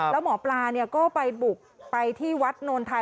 แล้วหมอปลาก็ไปบุกไปที่วัดโนนไทย